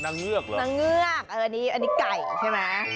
เงือกเหรอนางเงือกอันนี้ไก่ใช่ไหม